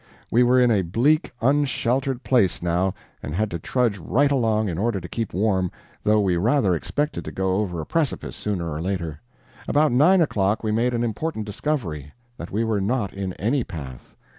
We were in a bleak, unsheltered place, now, and had to trudge right along, in order to keep warm, though we rather expected to go over a precipice, sooner or later. About nine o'clock we made an important discovery that we were not in any path.